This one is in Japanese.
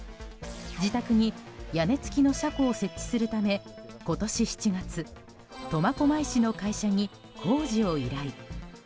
自宅に屋根付きの車庫を設置するため今年７月、苫小牧市の会社に工事を依頼。